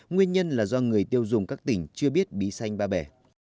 nguyên nhân là do người tiêu dùng các tỉnh chưa biết bí xanh ba bể